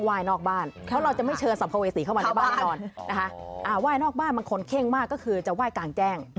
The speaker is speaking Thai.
ว่ายนอกบ้านบางคนเข้งมากก็คือจะว่ายกลางแจ้ง